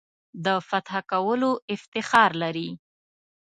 د فتح کولو افتخار لري.